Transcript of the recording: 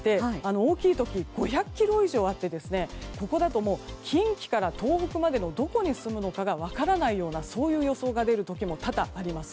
大きい時は５００ｋｍ以上あってここだと近畿から東北までのどこに進むのかが分からないような予想が出る時も多々あります。